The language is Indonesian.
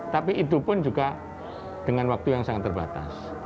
tapi itu pun juga dengan waktu yang sangat terbatas